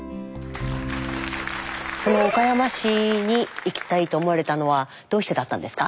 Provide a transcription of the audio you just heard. この岡山市に行きたいと思われたのはどうしてだったんですか？